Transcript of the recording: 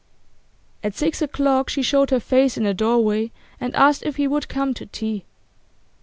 At six o'clock she showed her face in the doorway and asked if he would come to tea.